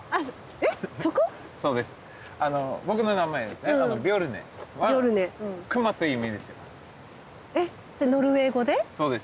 えそれノルウェー語で？